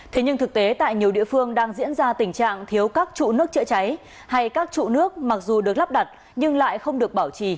thế nhưng thực tế tại nhiều địa phương đang diễn ra tình trạng thiếu các trụ nước chữa cháy hay các trụ nước mặc dù được lắp đặt nhưng lại không được bảo trì